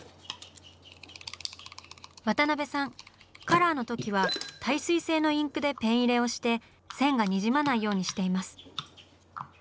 渡辺さんカラーの時は耐水性のインクでペン入れをして線がにじまないようにしています。